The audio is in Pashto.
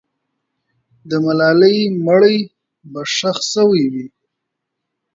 د ملالۍ مړی به ښخ سوی وي.